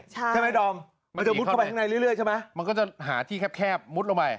ใช่ไหมดอมมันจะมุดเข้าไปข้างในเรื่อยใช่ไหมมันก็จะหาที่แคบมุดลงไป